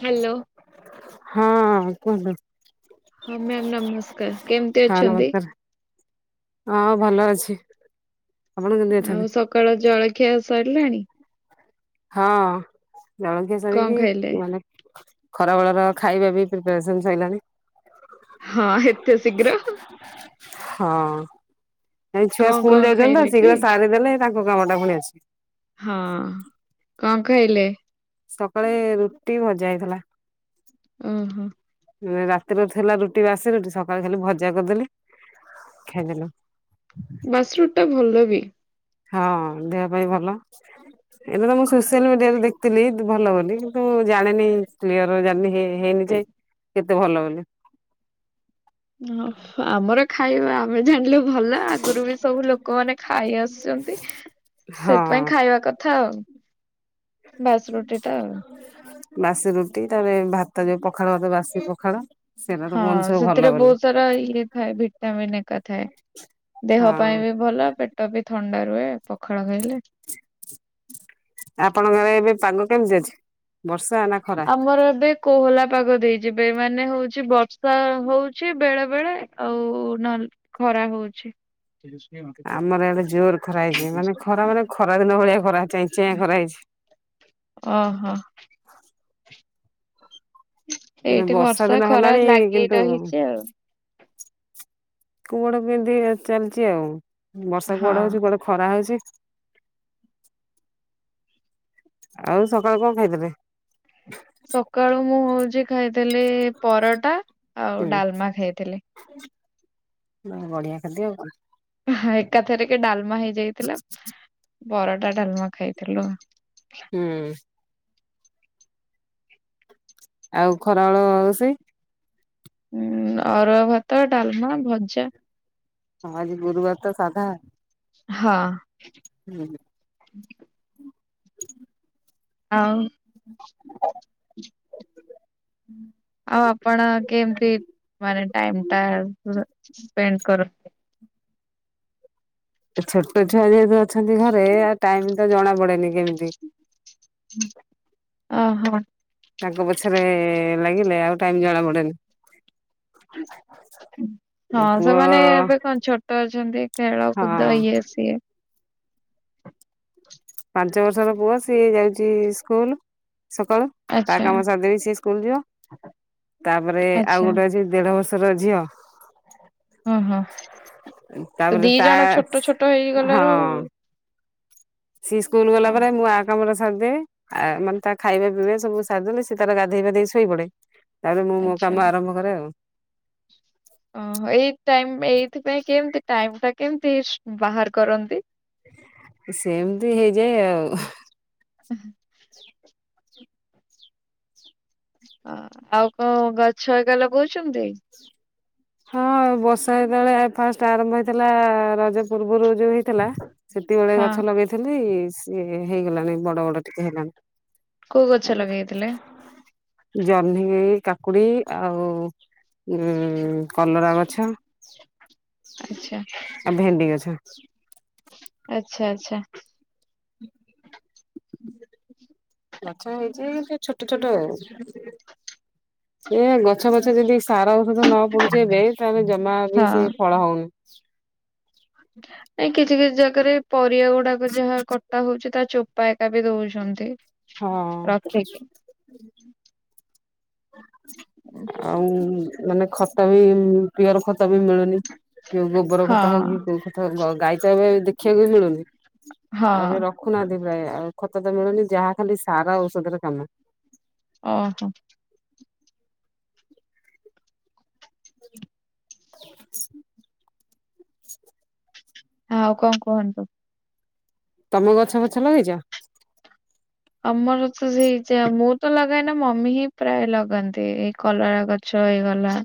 Hello ହଁ କୁହନ୍ତୁ। ହଁ ମ୍ୟାମ୍ ନମସ୍କାର କେମିତି ହଁ ଅଛନ୍ତି? ନମସ୍କାର ହଁ ଭଲ ଅଛି। ଛି। ଆଉ ସକାଳ ଜଳଖିଆ ସାରିଲାଣି? ହଁ ଜଳଖିଆ କଣ ଖାଇଲେ? ସରିକି ମାନେ ଖରାବେଳର ଖାଇବା ବି ପ୍ରିପେୟାରେସନ ସରିଲାଣି। ହଁ ଏତେ ଶୀଘ୍ର। ହଁ ଏ ଛୁଆ କଣ ସ୍କୁଲ କଣ ଯାଇଛନ୍ତି ତ ଖାଇଲେ କି? ଶୀଘ୍ର ସାରିଦେଲେ ତାଙ୍କ କାମ ଟା ଭୁଣି ଆସିବ। ହଁ। କଣ ଖାଇଲେ? ସକାଳେ ରୁଟି, ଭଜା ହେଇଥିଲା। ଓ ହୋ। ରାତିରେ ଥିଲା ରୁଟି ବାସି ରୁଟି ସକାଳେ ଖାଲି ଭଜା କରିଦେଲି ଖାଇଦେଲୁ। ବାସି ରୁୁଟି ଟା ଭଲ ବି। ହଁ ଦେହ ପାଇଁ ଭଲ। ଏଇଟା ତ ମୁଁ ସୋସିଆଲ ମିଡିଆରେ ଦେଖଥିଲି ଭଲ ବୋଲି କିନ୍ତୁ ଜଣିନି କ୍ଲିୟର ଜାନି ହେଇନି। କେତେ ଭଲ ବୋଲି। ଆମର ଖାଇବା ଆମେ। ଜାଣିଲେ ଭଲ ଆଗରୁ ବି ସବୁ ଲୋକମାନୋନ ଖାଇ ଆସୁଛନ୍ତି। ସେଥିପାଇଁ ହଁ ଖାଇବା କଥା ଆଉ। ବାସରୁଟି ଟା ଆଉ। ବାସି ରୁଟି ତାପରେ ଭାତ ତା ଯୋଉ ପଖାଳ ବାସି ପଖାଳ। ସେଇଟା ତ ହଁ କୁହନ୍ତି ସବୁ ଭଲ ସେଥିରେ ବୋଲି ବହୁତ ସାରା ଇଏ ଥାଏ ଭିଟଟାମିନ ଏକା ଥାଏ। ଦେହ ପାଇଁ ହଁ ବି ଭଲ ପେଟ ବି ଥଣ୍ଡା ରୁହେ ପଖାଳ। ଖାଇଲେ। ଆପଣଙ୍କ ଗାଁ ରେ ଏବେ ପାଗ କେମିତି ଅଛି। ବର୍ଷା ନା ଖରା? ଆମର ଏବେ କୋହଲା ପାଗ ଦେଇଛିିବେ ମାନେ ହଉଛି ବର୍ଷା ହଉଛି ବେଳେ ବେଳେ ଆଉ ନହଲେ ଖରା ହଉଛି। ଠିକ୍ ଅଛି। ଆମର ଆଡେ ଜୋର ଖରା ହେଇଛି ମାନେ ଖରା ମାନେ ଖରା ଦିନ ଭଳିଆ ଖରାଁଁ ଖରା ଚଇ ଚଇଆ ଖରା ହେଇଛି। ଏ ଏ ଅହ। ଏଇଠି ବର୍ଷା ଦିନ ଖରା ହେଲାଣି ଲାଗି କିନ୍ତୁ। ରହିଛି ଆଉ। କୁଆଡ଼େ କେମିତି ଚାଲିଛି ଆଉ। ବର୍ଷା କୁଆଡ଼େ ହଁ। ହଉଛି କୁଆଡ଼େ ଖରା ହଉଛି। ଆଉ ସକାଳୁ କଣ ଖାଇଥିଲେ। ସକାଳୁ ମୁଁ ହଉଛି ଖାଇଥିଲି ପରଟା। ଆଉ ହୁଁ ଡାଲମା ଖାଇଥିଲି। ବଢିଆ ଖାଦ୍ୟ ଆଉ କଣ। ଏକାଥରେ କି ଡ଼ାଲମା ହେଇଯାଇଥିଲା ପରଟା ଡ଼ାଲମା ଖାଇଥିଲୁ। ହୁଁ। ଆଉ ଖରାବେଳ ରୋଷେଇ। ହଁ ଅରୁଆ ଭାତ ଡାଲମା ଭଜା। ହଁ ଆଜି ଗୁରୁବାର ତ ସାଧା। ହଁ। ହୁଁ। ଆଉ [unintelligible] ଆଉ ଆପଣ କେମତି। ମାନେ ଟାଇମ ଟା ସ୍ପେଣ୍ଡ କରନ୍ତି। ଛୋଟ ଛୁଆ ଯେହେତୁ ଅଛନ୍ତି ଘରେ ଆ ଟାଇମ ତ ଜଣା ପଡ଼େନି କେମିତି। ଅହ। ତାଙ୍କ ପଛରେ ଲାଗିଲେ ଆଉ ଟାଇମ ଜଣା ପଡ଼େନି। ହ ହଁ ପୁଅ ସେମାନେ ଏବେ କଣ ଛୋଟ ଅଛନ୍ତି ଖେଳ ହଁ କୁଦ ଇଏ ସିଏ। ପାଞ୍ଚ ବର୍ଷର ପୁଅ ସିଏ ଯାଉଛି ସ୍କୁଲ। ସକାଳୁ ତା ଆଚ୍ଛା କାମ ସାରିଦେବି ସେ ସ୍କୁଲ ଯିବ ତାପରେ ଆଉ ଆଚ୍ଛା ଗୋଟେ ଅଛି ଦେଢ ବର୍ଷ। ର ଝିଅ। ହଁ ହଁ। ତ ତାପରେ ଦି ତା ଜଣ ଛୋଟ ଛୋଟ ହଁ ହେଇଗଲାରୁ। ସିଏ ସ୍କୁଲ ଗଲା ହଁ ପରେ ମୁଁ ଆ କାମରେ ମାନେ ତା ଖାଇବା ପିଇବା ସବୁ ସାରିଦ ଲେ ସେ ତାର ଗାଧୋଇପାଧେଇ ଶୋଇ ପଡ଼େ। ତାପରେ ମୁଁ ମୋ ଆଚ୍ଛା କାମ ଆରମ୍ଭ କରେ ଆଉ। ଓହୋ ଏଇ ଟାଇମ ଏଇଥିପାଇଁ କେମତି ଟାଇମ ଟା କେମିତି ବାହାର କରନ୍ତି। ସେମିତି ହେଇଯାଏ ଆଉ। ହ ହାଁ ଆଉ କୋଉ ଗଛ ହେକା ଲଗଉଛନ୍ତି? ହଁ ବର୍ଷା ଯେତେବଳେ ଫାଷ୍ଟ୍ ଆରମ୍ଭ ହେଇଥେଲା ରଜ ପୂର୍ବୁରୁ ଯୋଉ ହେଇ ଥେଲା ସେତିକିବେଳେ ହଁ ଗଛ ଲଗେଇଥେଲି ସିଏ ହେଇଗଲାଣି ବଡ଼ ବଡ଼ ଟିକେ ହେଲାଣି। କୋଉ ଗଛ ଲଗେଇଥିଲେ? ଜହ୍ନି କାକୁଡ଼ି ଆଉ ଉଁ କଲରା ଗଛ ଆଚ୍ଛା ଆଉ ଭେଣ୍ଡି ଗଛ ଆଚ୍ଛା ଆଚ୍ଛା। ମାଛ ହେଇଛି ସେ ଛୋଟ ଛୋଟ ଆଉ। ଏ ଗଛ ଫଛ ଯେଦି ସାର ଔଷଧ ନ ପଡୁଛି ଏବେ ତାହେଲେ ଜମା ବି ହଁ। ସିଏ ଫଳ ହଉନି। [unintelligible] ନାଇଁ କିଛି କିଛି ଜାଗାରେ ପରିବା ଗୁଡାକ ଯାହା କଟା ହଉଛି ତା ଚୋ ଚୋପାଟା ବି ଦଉଛନ୍ତି। ହଁ। ରଖିକି ଆଉ ମାନେ ଖତ ବି ପିଅର ଖ ଖତ ବି ମିଳୁନି ଯୋଉ ଗୋବର ହଁ ଖତ ହଉ କି ଯୋଉ ଖତ ହଉ ଗାଈ ଖତ ଏବେ ଦେଖିବାକୁ ବି ମିଳୁନି ହଁ ଆଉ ଏବେ ରଖୁନାହାନ୍ତି ପ୍ରାୟ ଆଉ। ଖତ ତ ମିଳୁନି ଯାହା ଖାଲି ସାର ଔଷଧରେ କାମ ଓ ହୋ। [unintelligible] ଆଉ କଣ କୁହନ୍ତୁ? ତମ ଗଛ ଫଛ ଲଗେଇଛ? ଆମର ତ ସେଇ ଯା ମୁଁ ତ ଲଗାଏନା ମମି ହିଁ ପ୍ରାୟ ଲଗାନ୍ତି ଏଇ କଲରା ଗଛ ହେଇଗଲା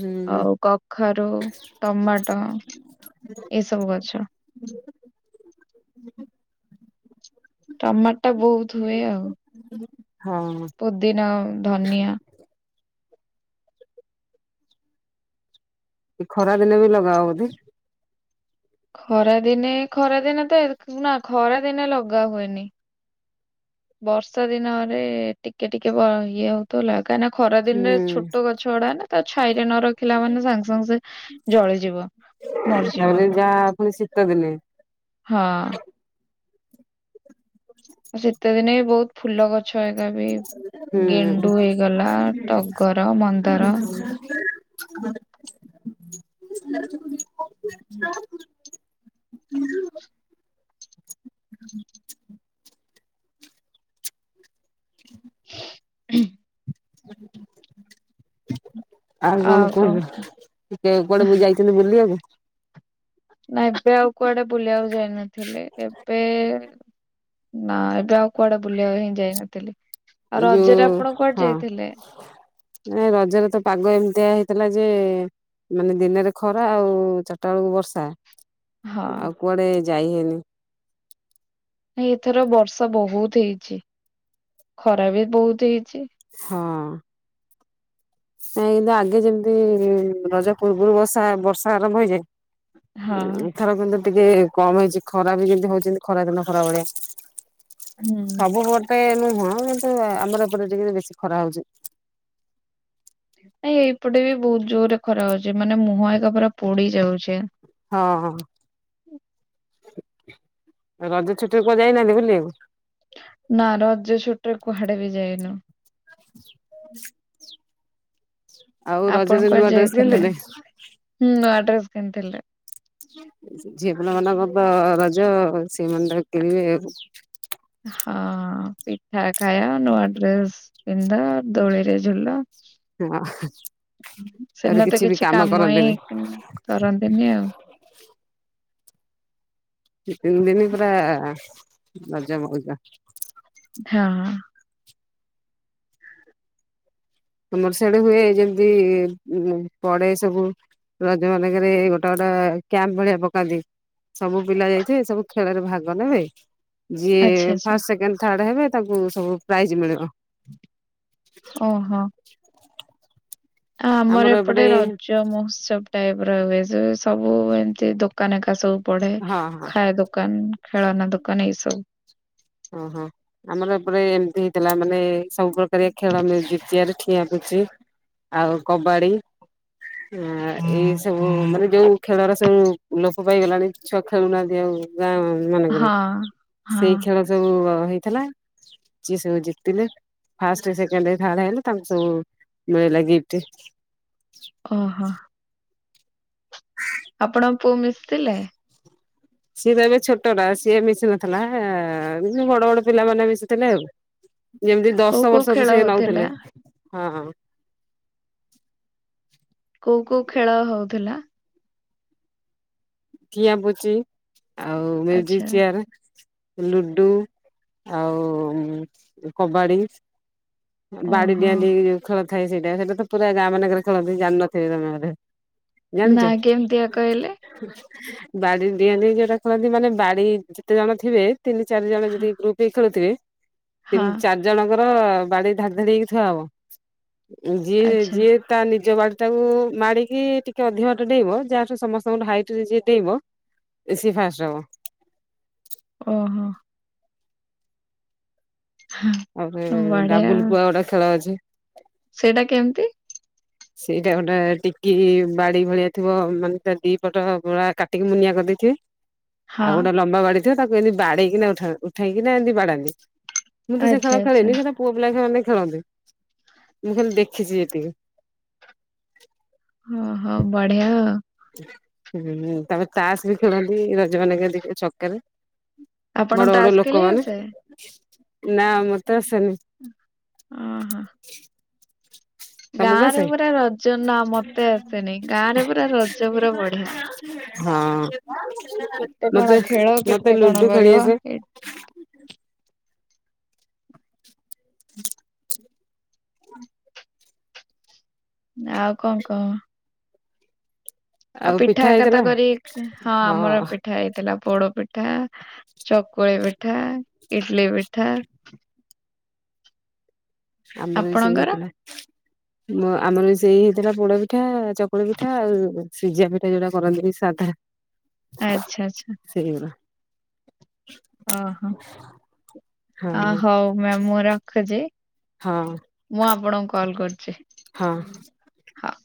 ହୁଁ ଆଉ କଖାରୁ ଟମାଟୋ ଏ ସବୁ ଗଛ। ହୁଁ। ଟମାଟା ବହୁତ ହୁଏ ଆଉ। ହଁ ପୁଦିନା ଧନିଆ ଏଇ ଖରା ଦିନେ ବି ଲଗାଅ ବୋଧେ? ଖରାଦିନେ ଖରାରେ ନାଗେ ନା ଖରା ଦିନେ ଲଗା ହୁଏନି। ବର୍ଷା ଦିନରେ ଟିକେ ଟିକେ ବ ଇଏ ହଉଥିବ ଲା କାହିଁନା ଖରା ହୁଁ ଦିନେ ଛୋଟ ଗଛ ଗୁଡାନା ତ ଛାଇରେ ନ ରଖିଲା ମାନେ ସାଙ୍ଗ ସାଙ୍ଗ ସେ ଜଳିଯିବ। ମରିଯିବ ତାପରେ ଯାହା ପୁଣି ଶୀତ ଦି ହଁ। ଶୀତ ଦିନେ ବହୁତ ଫୁଲ ଗ ହେଇଗଲା ଟଗର ମନ୍ଦାର ହୁଁ। [unintelligible] [unintelligible] ହୁଁ। [unintelligible] ଆଉ କଣ କୁହନ୍ତୁ ଟିକେ କହ କୁଆଡକୁ ଯାଇଛନ୍ତି ବୁଲିବାକୁ ନା ଏବେ ଆଉ କୁଆଡେ ବୁଲିବାକୁ ଯାଇନଥିଲେ ଏବେ ନା ଏବେ ଆଉ କୁଆଡେ ବୁଲିବା ପାଇଁ ଯାଇନଥିଲି। ଆଉ ଏଇ ଯୋଉ ରଜରେ ଆପଣ କୁଆଡେ ହଁ ଯାଇଥିଲେ? ମାନେ ରଜରେ ତ ପାଗ ଏମିତିଆ ହେଇ ଥିଲା ଯେ ମାନେ ଦିନେରେ ଖରା ଆଉ ଚାରଟା ବେଳକୁ ବର୍ଷା ହଁ ଆଉ କୁଆଡେ ଯାଇ ହେଇନି। ନାଇଁ ଏଥର ବର୍ଷା ବହୁତ ହେଇଛି ଖରା ବି ବହୁତ ହେଇ ହଁ। ନାଇଁ କିନ୍ତୁ ଆଗେ ଯେମିତି ରଜ ପୂର୍ବୁରୁ ବର୍ଷା ବର୍ଷା ଆରମ୍ଭ ହଁ ହେଇଯାଏ ଏଥର କିନ୍ତୁ ଟିକେ କମ ହେଇଛି ଖରା ବି ଯେମିତି ହଉଛନ୍ତି ଖରା ଦିନ ଖରା ଭଳିଆ। ହୁଁ ସବୁ ଗୋଟେ ନୁ ହଁ ମ ପରା ଆମର ଏପଟେ ଟିକେ ବେଶୀ ଖରା ହଉଚି। ନାଇଁ ଏଇପଟେ ବି ବହୁତ ଜୋରରେ ଖରା ହଉଚି ମାନେ ମୁହଁ ଏକା ପରା ପୋଡି ଯାଉଚି। ହଁ ହ। ରଜ ଛୁଟିରେ କୁଆଡେ ଯାଇନାହାନ୍ତି ବୁଲିଆକୁ? ନା ରଜ ଛୁଟିରେ କୁଆଡେ ବି ଯାଇନୁ। ହ ଆପଣ ନୂଆ କୁଆଡେ ଡ୍ରେସ ଯାଇଥିଲେ? କିଣିଥିଲେ? ନୂଆଡ୍ରେସ କିଣିଥିଲେ। ଝିଅ ପିଲା ମାନଙ୍କର ତ ରଜ ସେମାନେ ତାଙ୍କ କିଣିବେ। ହଁ ପିଠା ଖାଇଆ ନୂଆ ଡ୍ରେସ ପିନ୍ଧା ଦୋଳିରେ ଝୁଲ। ହଁ। ଆରେ ସେଦିନ ତ କିଛି ବି କାମ ହିଁ କରନ୍ତିନି। କରନ୍ତିନି ଆଉ ଦି ତିନି ଦିନି ପୁରା ମଜା ମଉଜ। ହଁ। ଆମର ସେଆଡେ ହୁଏ ଯେମିତି ଉଁ ପଡେ ସବୁ। ରଜ ମାନଙ୍କରେ ଏଇ ଗୋଟା ଗୋଟା କ୍ୟାମ୍ପ ଭଳିଆ ପକାନ୍ତି। ସବୁ ପିଲା ଯାଇଥିବେ ସବୁ ଖେଳ ରେ ଭାଗ ନେବେ। ଯିଏ ଆଚ୍ଛା ଆଚ୍ଛା ଫାଷ୍ଟ ସେକେଣ୍ଡ ଥାର୍ଡ ହେବେ ତାଙ୍କୁ ସବୁ ପ୍ରାଇଜ ମିଳିବ। ଓହୋ। [inaudible] ଆ ଆମର ଏପଟେ ରଜ ମହୋତ୍ସବ ଟାଇପ ର ହୁଏ ଯୋଉ- ସବୁ ଏମିତି ଦୋକାନ ଏକା ସବୁ ପଢେ ହଁ ହଁ ଖାଇଆ ଦୋକାନ ଖେଳନା ଦୋକାନ ଏଇ ସବୁ ଓହୋ। ଆମର ଏପରେ ଏମିତି ହେଇଥିଲା ମାନେ ସବୁ ପ୍ରକାରିଆ ଖେଳ ମ୍ୟୁଜିକ ଚେୟାର ଠିଆ ପୁଚି ଆଉ କବାଡି। ଆଁ ଆ ଏଇ ସବୁ ମାନେ ଯୋଉ ଖେଳର ସବୁ ଲୋପ ପ ପାଇ ଗଲାଣି। ଛୁଆ ଖେଳୁନାହାନ୍ତି ଆଉ ଗାଁ ମାନଙ୍କରେ ହଁ ହଁ ସେଇ ଖେଳ ସବୁ ବ ହେଇଥିଲା ଯିଏ ସବୁ ଜିତିଲେ ଫାଷ୍ଟ ସେକେଣ୍ଡେ ଥାର୍ଡ ହେଲେ ତାଙ୍କୁ ସବୁ ମିଳିଲା ଗିଫ୍ଟ। ଆପଣଙ୍କ ପୁଅ ମିଶିଥିଲେ? ସିଏ ତ ଏବେ ଛୋଟଟା ସିଏ ମିଶି ନଥିଲା ହେ ଏ ଉନଲି ବଡ ବଡ ପିଲାମାନେେ ମିଶିଥିଲେ ଆଉ। ଯେମିତି କୋଉ ଦଶ କୋଉ ବର୍ଷରୁ ଖେଳ ସିଏ ହଉଥିଲା ନଉଥିଲେ ହଁ। କୋଉ କୋଉ ଖେଳ ହଉଥିଲା? କିଆ ପୁଚି ଆଉ ମ୍ୟୁଜିକ ଆଚ୍ଛା ଚେୟାର। ଲୁଡୁ ଆଉ କବାଡ଼ି। ବାଡି ଓହୋ। ଡିଆଁ ଡିଇଁ ଖେଳ ଥାଏ ସେଇଟା ସେଇଟା ତ ପୁରା ଗାଁ ମାନଙ୍କରେ ଖେଳନ୍ତି ଜାଣିନଥିବେ ତମ ଘରେ। ନା ଜାଣିଚ? କେମିତିଆ କହିଲେ? ବାଡି ଡିଆଁ ଡିଇଁ ଯୋଉଟା ଖେଳନ୍ତି ମାନେ ବାଡି ଯେତେ ଜଣ ଥିବେ ତିନି ଚାରି ଜଣ ହଁ ଯଦି ଗ୍ରୁପ ହେଇ ଖେଳୁଥିବେ ତିନି ହଁ, ଚାରି ଜଣଙ୍କ କଁ ବାଡି ଧାଡି ଧାଡି ହେଇକି ଥୁଆହବ। ଯିଏ ଆଚ୍ଛା ଯିଏ ତା ନି ଜ ବାଡ଼ି ଟାକୁ ମାଡ଼ିକି ଟିକେ ଅଧିକ ବାଟ ଡେଇଁବ ଯାହାଠୁ ସମସ୍ତଙ୍କର ହାଇଟ୍ ଟି ଯିଏ ଡେଇଁବ ସିଏ ଫାଷ୍ଟ ହବ। ଓହୋ। ଆହୁରି ବଢିଆ ଡାବୁଲ ପୁଆ ଗୋଟା ଖେଳ ଅଛି। ସେଇଟା କେମିତି? ସେଇଟା ଗୋଟେ ଟିକି ବାଡି ଭଳିଆ ଥିବ ମାନେ ତା ଦି ପଟ ପୁରା କାଟିକି ମୁନିଆ କରି ଦେଇଥିବେ। ହଁ ଆଉ ଗୋଟା ଲମ୍ବା ବାଡିଥିବ ତାକୁ ଏମିତି ବାଡେଇକିନା ଉଠା ଉଠେଇକିନା ଏମିତି ବାଡାନ୍ତି। ମୁଁ ତ ସେ ଆଚ୍ଛା ଖେଳ ଆଚ୍ଛା ଖେଳିନି ସେଟା ପୁଅ ପିଲା ସେମାନେ ଖେଳନ୍ତି। ମୁଁ ଖାଲି ଦେଖିଛି ଯେତିକି। ଓ ହୋ ବଢିଆ। ହୁଁ ତାପରେ ତାଷ ବି ଖେଳନ୍ତି ରଜମାନଙ୍କେରେ ଦେଖିବ ଛକେରେ। ଆପଣ ବଡ ବଡ ତାସ ଖେଳି ଲୋକମାନେ ଆସେ? ନା ମତେ ଆସନି ଓହୋ ଗାଁ ରେ ପୁରା ରଜ ନା ମତେ ଆସନି ଗାଁରେ ପୁରା ରଜ ପୁରା ବଢିଆ ହଁ କେତେ କଣ ମତେ ଖେଳ କେତେ ମତେ କଣ ଲୁଡୁ ଖେଳି କରିବ ଆସେ। ଏ- ହ [inaudible] [inaudible] [inaudible] ଆଉ କଣ କହ। ଆଉ ପିଠା ଏକା ତ କରି ହଁ ଆମର ପିଠା ହେଇଥିଲା ପୋଡ ପିଠା। ପିଠା ଚକୁଳି ପିଠା ଇଡଲି ପିଠା ଆମର ବି ସେଇ ଆପଣଙ୍କର ହେଇଥିଲା। ଆମର ସେଇ ହେଇଥିଲା ପୋଡ ପିଠା ଚକୁଳି ପିଠା ଆଉ ସିଝା ପିଠା ଯୋଉଟା କରନ୍ତି ସାଧା ଆଚ୍ଛା ଆଚ୍ଛା। ସେଇଗୁରା ଓ ହୋ। ହ ହଁ ହଉ ମ୍ୟାାମ ମୁଁ ରଖୁଛି ହଁ ମୁଁ ଆପଣଙ୍କୁ କଲ କରୁଛି। ହଁ। ହଁ।